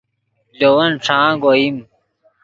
لے ون ݯانگ اوئیم